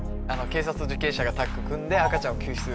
警察と受刑者がタッグ組んで赤ちゃんを救出。